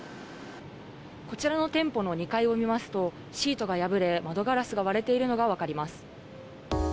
こちらの店舗の２階を見ますと、シートが破れ、窓ガラスが割れているのが分かります。